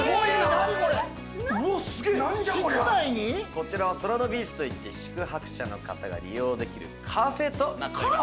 こちらはソラノビーチといって宿泊者の方が利用できるカフェとなっております。